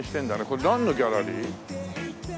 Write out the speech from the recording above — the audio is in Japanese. これなんのギャラリー？